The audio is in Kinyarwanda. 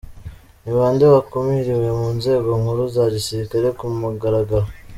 – Ni bande bakumiriwe mu nzego nkuru za gisirikare ku mugaragaro?